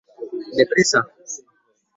De prèssa!